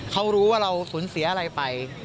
เขารู้ว่าเราสูญเสียอะไรไป